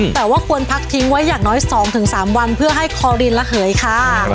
แต่ว่าควรพักทิ้งไว้อย่างน้อย๒๓วันเพื่อให้คอรินระเหยค่ะ